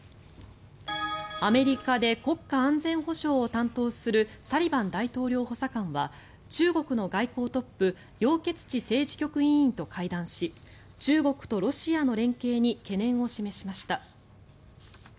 アメリカで国家安全保障を担当するサリバン大統領補佐官は中国の外交トップヨウ・ケツチ政治局委員と会談し中国とロシアの連携に懸念を示しました。